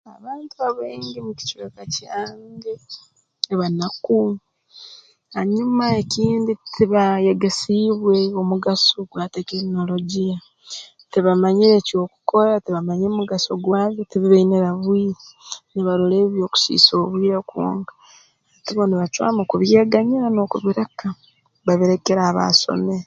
Abantu abaingi mu kicweka kyange banaku hanyuma ekindi tibayegesiibwe omugaso gwa tekinologiya tibamanyire ky'okukora tibamanyire mugaso gwabyo tibibainire bwire nibarora ebi by'okusiisa obwire kwonka hati bo nibacwamu kubyeganyira n'okubireka babirekera abasomere